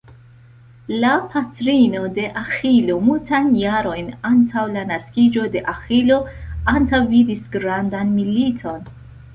La patrino de Aĥilo multajn jarojn antaŭ la naskiĝo de Aĥilo antaŭvidis grandan militon.